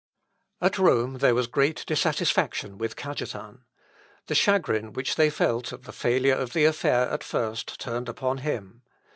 At Rome there was great dissatisfaction with Cajetan. The chagrin which they felt at the failure of the affair at first turned upon him.